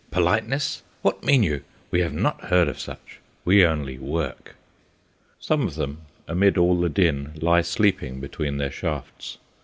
Politeness! What mean you? We have not heard of such. We only work. Some of them amid all the din lie sleeping between their shafts.